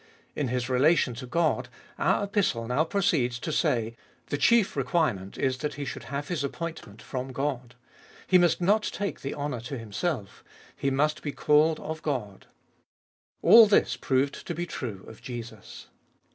In his relation to God, our Epistle now proceeds to say, the chief requirement is that he should have his appoint ment from God. He must not take the honour to himself: he must be called of God. All this is proved to be true of Jesus.